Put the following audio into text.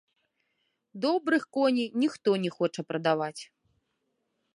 Добрых коней ніхто не хоча прадаваць.